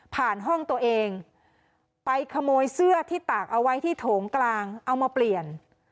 ห้องตัวเองไปขโมยเสื้อที่ตากเอาไว้ที่โถงกลางเอามาเปลี่ยน